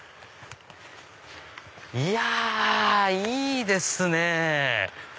いやいいですね！